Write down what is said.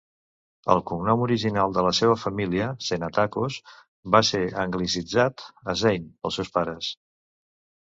El cognom original de la seva família, "Zanetakos", va ser anglicitzat a "Zane" pels seus pares.